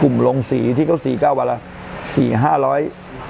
กลุ่มลงสี่ที่เค้าสี่เก้าบันแล้วพบอาจสี่ห้าร้อย